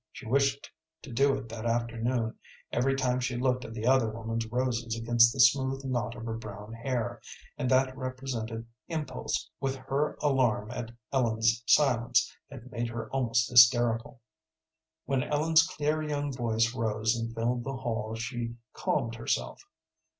She wished to do it that afternoon every time she looked at the other woman's roses against the smooth knot of her brown hair, and that repressed impulse, with her alarm at Ellen's silence, had made her almost hysterical. When Ellen's clear young voice rose and filled the hall she calmed herself.